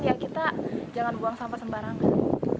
ya kita jangan buang sampah sembarangan